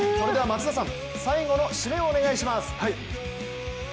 松田さん、最後の締めをお願いします。